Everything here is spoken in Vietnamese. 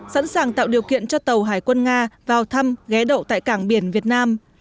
sẵn sàng tạo điều kiện cho tàu hải quân nga vào thăm ghé đậu tại cảng biển việt nam